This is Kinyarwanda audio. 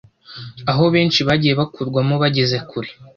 aho benshi bagiye bakurwamo bageze kure